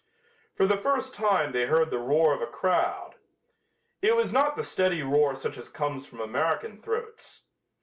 For the first time they heard the roar of a crowd. It was not the steady roar such as comes from American throats.